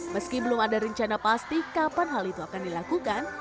meski belum ada rencana pasti kapan hal itu akan dilakukan